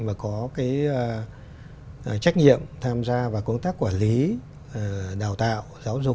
mà có cái trách nhiệm tham gia vào công tác quản lý đào tạo giáo dục